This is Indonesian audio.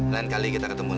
lain kali kita ketemu lagi